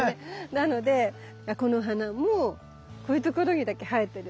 なのでこの花もこういう所にだけ生えてるんですね。